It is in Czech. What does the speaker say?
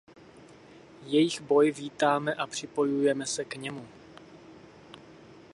Jejich boj vítáme a připojujeme se k němu.